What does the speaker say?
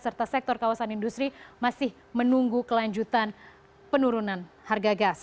serta sektor kawasan industri masih menunggu kelanjutan penurunan harga gas